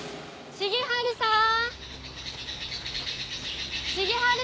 重治さん！